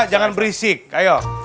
jangan berisik ayo